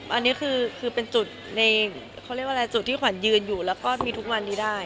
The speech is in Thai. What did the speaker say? อันนี้คือเป็นจุดที่ขวัญยืนอยู่และมีทุกวันได้